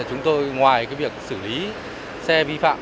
chúng tôi ngoài việc xử lý xe vi phạm